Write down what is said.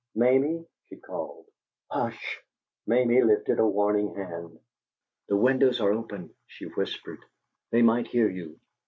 "Mamie?" she called. "Hush!" Mamie lifted a warning hand. "The windows are open," she whispered. "They might hear you!"